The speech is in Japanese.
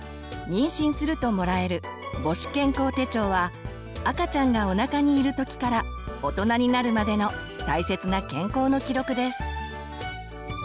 妊娠するともらえる母子健康手帳は赤ちゃんがおなかにいる時から大人になるまでの大切な健康の記録です。